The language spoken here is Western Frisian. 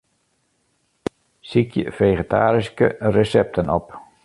Sykje fegetaryske resepten op.